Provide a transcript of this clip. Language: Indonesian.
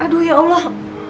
aduh ya allah